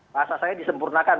bahasa saya disempurnakan